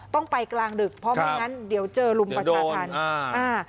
ต้องไปกลางดึกเพราะไม่งั้นเดี๋ยวเจอรุมประชาธรรมอ่า